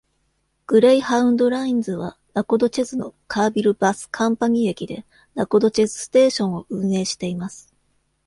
グレイハウンドラインズは、ナコドチェズのカーヴィル・バス・カンパニー駅でナコドチェス・ステーションを運営しています。